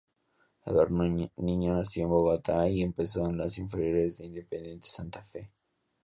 Eduardo Niño nació en Bogotá, y empezó en las inferiores de Independiente Santa Fe.